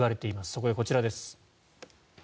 そこでこちらです。